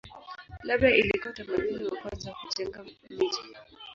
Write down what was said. Labda ilikuwa utamaduni wa kwanza wa kujenga miji.